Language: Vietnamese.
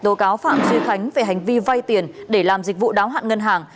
tố cáo phạm duy khánh về hành vi vay tiền để làm dịch vụ đáo hạn ngân hàng